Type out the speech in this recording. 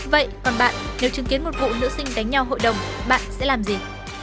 vậy còn bạn nếu chứng kiến một vụ nữ sinh đánh nhau hội đồng bạn sẽ làm gì